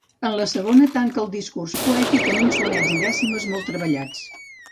En la segona, tanca el discurs poètic en uns sonets i dècimes molt treballats.